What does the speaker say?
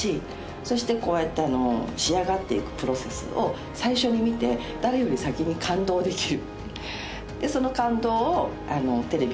そしてこうやって仕上がっていくプロセスを最初に見て誰より先に感動できる。